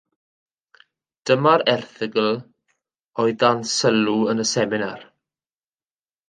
Dyma'r erthygl oedd dan sylw yn y seminar.